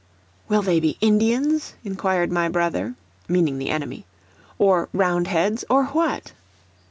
"Will they be Indians?" inquired my brother (meaning the enemy); "or Roundheads, or what?"